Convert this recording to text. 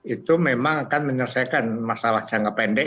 itu memang akan menyelesaikan masalah jangka pendek